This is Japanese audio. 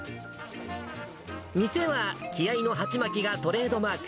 店は気合いの鉢巻きがトレードマーク、